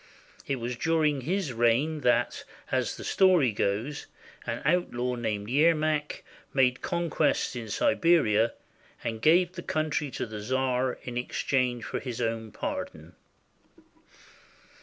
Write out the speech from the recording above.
It was during his reign that, as the story goes, an outlaw named Yermak made conquests in Siberia, and gave the country to the czar in exchange for his own pardon.